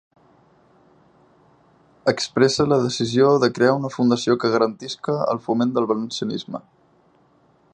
Expresse la decisió de crear una fundació que garantisca el foment del valencianisme.